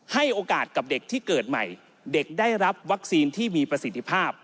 ให้โอกาสกับเด็กที่เกิดใหม่เด็กได้รับวัคซีนที่มีประสิทธิภาพ